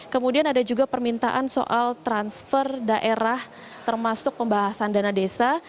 kemudian ada juga permintaan soal transfer daerah termasuk pembahasan dana desa